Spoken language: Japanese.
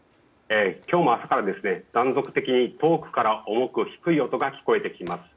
今日も朝から断続的に遠くから低い音が聞こえてきます。